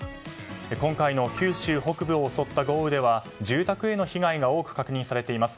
今回の九州北部を襲った豪雨では住宅への被害が多く確認されています。